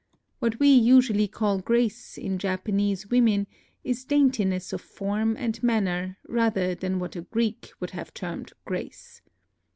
What we usually call grace in Japanese women is dainti ness of form and manner rather than what a Greek would have termed grace.